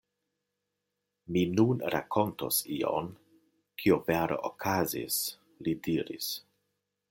Mi nun rakontos ion, kio vere okazis, li diris.